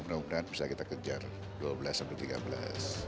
mudah mudahan bisa kita kejar dua belas sampai tiga belas